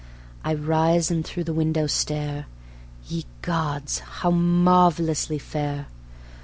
I rise and through the window stare ... Ye gods! how marvelously fair!